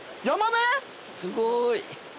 すごい。